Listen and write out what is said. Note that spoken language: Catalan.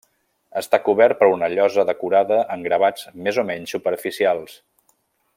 Està cobert per una llosa decorada amb gravats més o menys superficials.